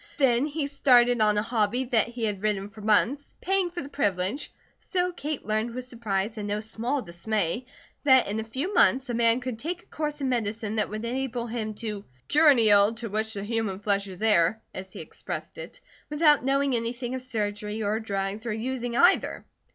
Then he started on a hobby that he had ridden for months, paying for the privilege, so Kate learned with surprise and no small dismay that in a few months a man could take a course in medicine that would enable him "to cure any ill to which the human flesh is heir," as he expressed it, without knowing anything of surgery, or drugs, or using either.